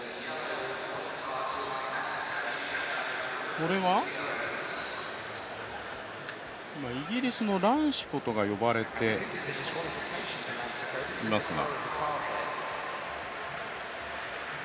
これは今イギリスのランシコトが呼ばれていますが。